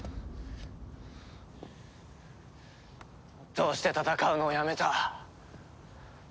どうして戦うのをやめた？